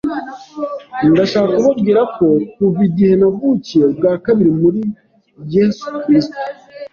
Ndashaka kubabwira ko kuva igihe navukiye ubwa kabiri muri Yesu Kristo,